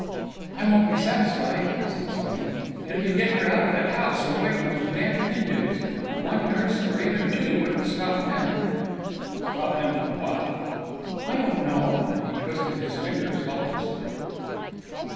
"I won't be satisfied," said Swain, "till you get her out of that house and away from those damned Hindus. One nurse, or even two, wouldn't stop them." "Stop them from what?" "I don't know," and he twisted his fingers helplessly.